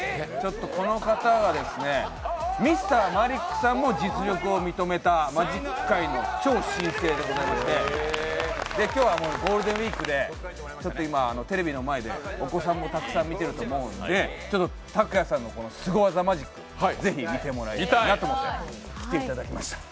この方は、Ｍｒ．マリックさんも実力を認めたマジック界の超新星でして今日はゴールデンウイークで今、テレビの前でお子さんもたくさん見ていると思うのでＴＡＫＵＹＡさんのすご技マジックをぜひ見てもらいたいなと思って来ていただきました。